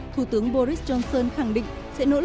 thủ tướng boris johnson khẳng định